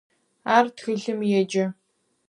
Ар тхылъым еджэ.